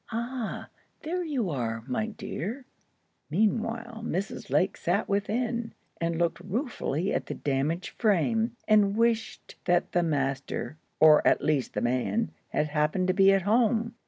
"Ah, there you are, my dear!" Meanwhile, Mrs. Lake sat within, and looked ruefully at the damaged frame, and wished that the master, or at least the man, had happened to be at home.